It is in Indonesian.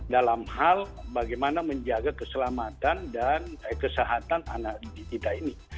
dalam hal bagaimana menjaga keselamatan dan kesehatan anak kita ini